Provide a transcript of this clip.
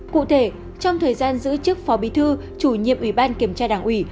cụ thể trong thời gian giữ chức phó bí thư chủ nhiệm ủy ban kiểm tra đảng ủy